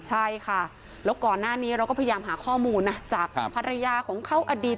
ใช่ค่ะแล้วก่อนหน้านี้เราก็พยายามหาข้อมูลนะจากภรรยาของเขาอดีต